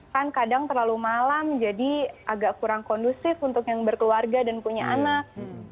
kan kadang terlalu malam jadi agak kurang kondusif untuk yang berkeluarga dan punya anak